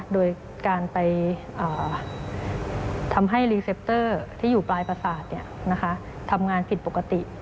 โดยการไปทำให้รีเซปเตอร์ที่อยู่ปลายประสาททำงานผิดปกติ